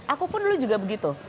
aku pun dulu juga begitu